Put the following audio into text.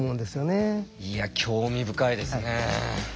いや興味深いですね。